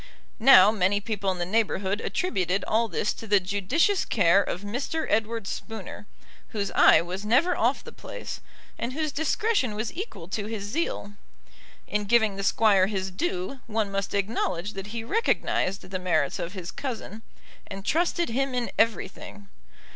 Now many people in the neighbourhood attributed all this to the judicious care of Mr. Edward Spooner, whose eye was never off the place, and whose discretion was equal to his zeal. In giving the Squire his due, one must acknowledge that he recognised the merits of his cousin, and trusted him in everything.